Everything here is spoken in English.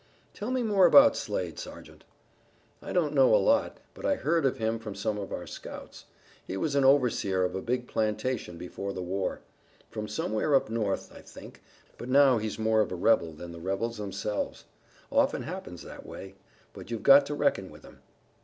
"Tell me more about Slade, Sergeant." "I don't know a lot, but I heard of him from some of our scouts. He was an overseer of a big plantation before the war. From somewhere up North, I think, but now he's more of a rebel than the rebels themselves. Often happens that way. But you've got to reckon with him."